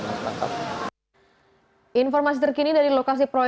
lepas itu saya sudah mau mengetik kartong dari lubang tiga formtv